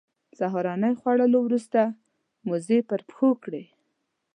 سهارنۍ خوړلو وروسته موزې پر پښو کړې.